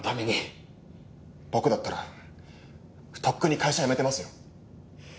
「僕だったらとっくに会社辞めてますよ」